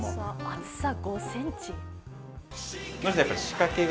厚さ５ｃｍ。